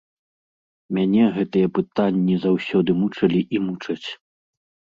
Мяне гэтыя пытанні заўсёды мучылі і мучаць.